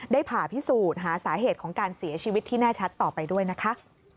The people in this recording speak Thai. ผ่าพิสูจน์หาสาเหตุของการเสียชีวิตที่แน่ชัดต่อไปด้วยนะคะ